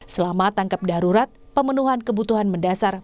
selama tangkap darurat pemenuhan kebutuhan mendasar